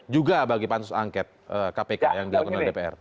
juga bagi pansus anggit kpk yang diakun oleh dpr